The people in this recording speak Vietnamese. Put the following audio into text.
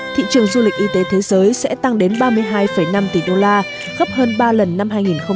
thị trường du lịch y tế thế giới sẽ tăng đến ba mươi hai năm tỷ đô la gấp hơn ba lần năm hai nghìn một mươi tám